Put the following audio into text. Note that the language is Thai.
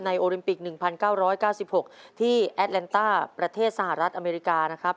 โอลิมปิก๑๙๙๖ที่แอดแลนต้าประเทศสหรัฐอเมริกานะครับ